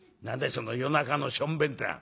その『夜中のしょんべん』ってのは？」。